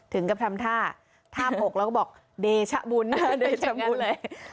ถึงกับทำท่าท่าพกแล้วก็บอกเดชบุญนะเดชบุญอะไร